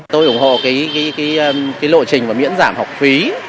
tôi ủng hộ cái lộ trình và miễn giảm học phí